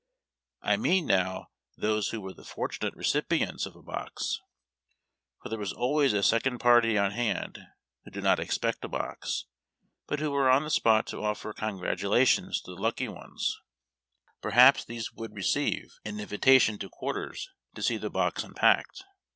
1 mean now those who were SPECIAL BATIONS. 221 the fortunate recipients of a box, for there was always a sec ond party on hand who did not expect a box, but who were on tlie spot to offer congratuhitions to tlie lucky ones; per haps these would receive an invitation to quarters to see the box unpacked.